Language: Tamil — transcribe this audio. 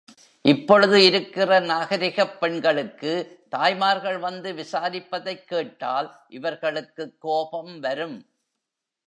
இப்பொழுது இருக்கிற நாகரிகப் பெண்களுக்கு தாய்மார்கள் வந்து விசாரிப்பதைக் கேட்டால் இவர்களுக்குக் கோபம் வரும்.